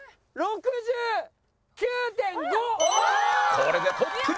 これでトップに